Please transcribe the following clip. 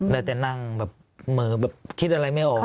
แล้วแต่นั่งแบบมือแบบคิดอะไรไม่เอาแล้วกัน